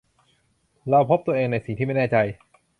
เราพบตัวเองในสิ่งที่ไม่แน่ใจ